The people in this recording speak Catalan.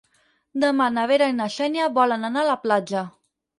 Demà na Vera i na Xènia volen anar a la platja.